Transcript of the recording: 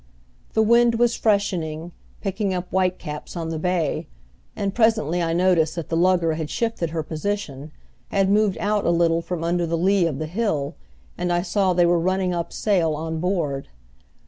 The wind was freshening, picking up whitecaps on the bay, and presently I noticed that the lugger had shifted her position, had moved out a little from under the lea of the hill, and I saw they were running up sail on board.